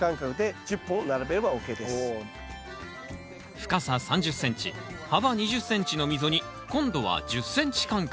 深さ３０ｃｍ幅２０ｃｍの溝に今度は１０ｃｍ間隔。